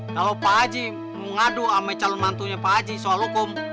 kalau pak haji mengadu sama calon mantunya pak haji soal hukum